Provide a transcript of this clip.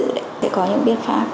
sẽ có những biên pháp